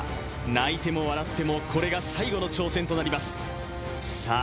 泣いても笑ってもこれが最後の挑戦となりますさあ